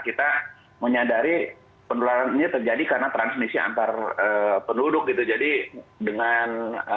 kita menyadari penularannya terjadi karena transmisi antar penduduk itu jadi dengan